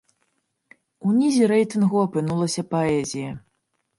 У нізе рэйтынгу апынулася паэзія.